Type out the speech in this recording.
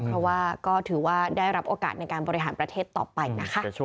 เพราะว่าก็ถือว่าได้รับโอกาสในการบริหารประเทศต่อไปนะคะ